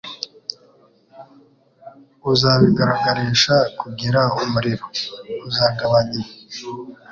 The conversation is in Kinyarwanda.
uzabigaragarisha kugira umuriro, uzagabanywa